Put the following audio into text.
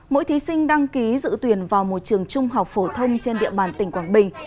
mỗi thí sinh đăng ký dự tuyển vào một trường trung học phổ thông trên địa bàn tỉnh quảng bình